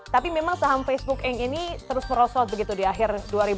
tapi memang saham facebook ink ini terus merosot begitu di akhir dua ribu dua puluh